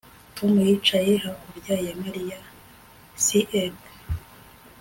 Tom yicaye hakurya ya Mariya CK